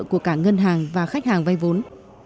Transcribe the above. của cả ngân hàng và khách hàng vay vốn